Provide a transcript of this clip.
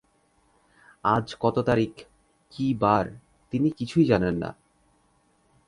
আজ কত তারিখ, কি বার তিনি কিছুই জানেন না।